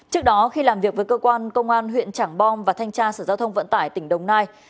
trước đó khi làm việc với cơ quan công an huyện trảng bom và thanh tra sở giao thông vận tải tỉnh đồng nai